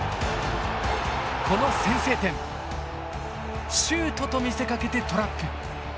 この先制点シュートと見せかけてトラップ。